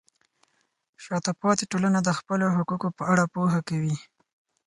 شاته پاتې ټولنه د خپلو حقونو په اړه پوهه کوي.